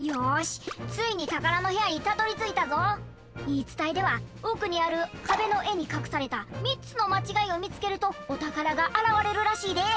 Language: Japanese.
いいつたえではおくにあるかべのえにかくされた３つのまちがいをみつけるとおたからがあらわれるらしいで。